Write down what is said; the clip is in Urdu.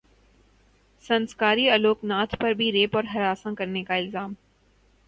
سنسکاری الوک ناتھ پر بھی ریپ اور ہراساں کرنے کا الزام